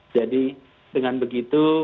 jadi dengan begitu